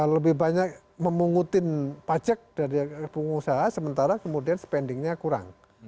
lebih banyak memungutin pajak dari pengusaha sementara kemudian spendingnya kurang